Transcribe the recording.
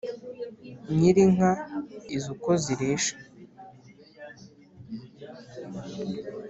nyiri inka izi uko zirisha